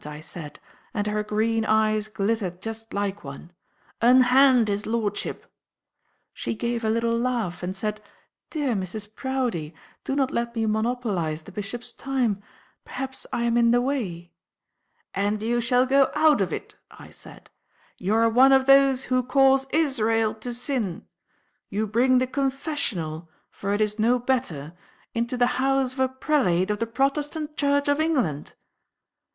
I said—and her green eyes glittered just like one—"unhand his lordship!" She gave a little laugh and said, "Dear Mrs. Proudie, do not let me monopolise the Bishop's time. Perhaps I am in the way?" "And you shall go out of it," I said. "You are one of those who cause Israel to sin. You bring the Confessional, for it is no better, into the house of a Prelate of the Protestant Church of England!"